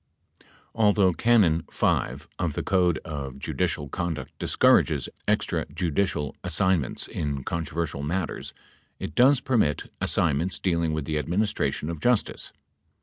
8 Although Canon 5(g) of the Code of Judicial Conduct discourages extra judicial assignments in controversial matters, it does permit as signments dealing with "the administration of justice."